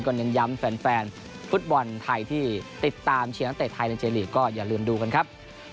เน้นย้ำแฟนฟุตบอลไทยที่ติดตามเชียร์นักเตะไทยในเจลีกก็อย่าลืมดูกันครับ